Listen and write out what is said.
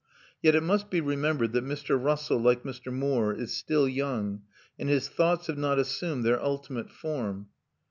Yet it must be remembered that Mr. Russell, like Mr. Moore, is still young and his thoughts have not assumed their ultimate form.